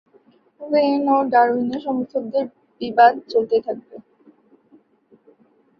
When ও ডারউইনের সমর্থকদের বিবাদ চলতেই থাকে।